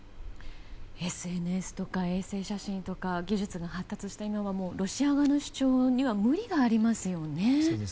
ＳＮＳとか衛星写真とか技術が発達した今ではロシア側の主張には無理がありますよね。